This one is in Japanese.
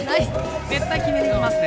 絶対決めてきますね。